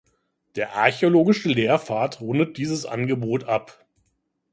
Der archäologische Lehrpfad rundet dieses Angebot ab.